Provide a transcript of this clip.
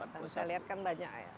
dan saya lihat kan banyak ya